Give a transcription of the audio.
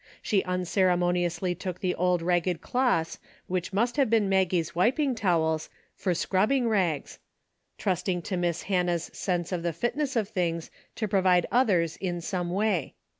She unceremoniously took the old ragged cloths which must have been Maggie's wiping towels for scrubbing rags, trusting to Miss Hannah's sense of the fitness of things to provide others in some way.